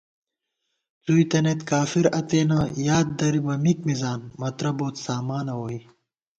څُوئی تنَئیت کافَر اتېنہ یاددرِبہ مِک مِزان، مَترہ بوت سامانہ ووئی